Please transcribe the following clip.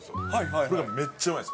これがめっちゃうまいんです。